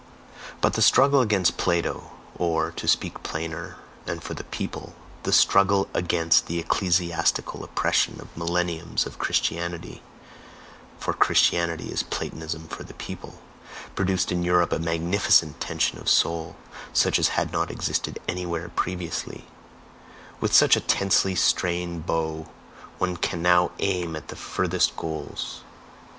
But the struggle against Plato, or to speak plainer, and for the "people" the struggle against the ecclesiastical oppression of millenniums of Christianity (FOR CHRISTIANITY IS PLATONISM FOR THE "PEOPLE"), produced in Europe a magnificent tension of soul, such as had not existed anywhere previously; with such a tensely strained bow one can now aim at the furthest goals.